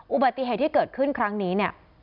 อุบัติเหตุที่เกิดขึ้นครั้งนี้เนี่ย